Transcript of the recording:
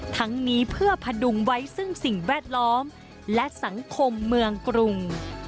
ทั้งนี้เพื่อพดุงไว้ซึ่งสิ่งแวดล้อมและสังคมเมืองกรุง